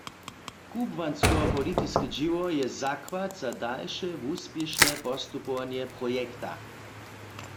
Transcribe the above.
Kubłansko-politiske dźěło je zakład za dalše wuspěšne postupowanje projekta.